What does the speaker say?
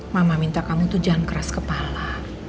mama minta kamu tuh jangan keras kepala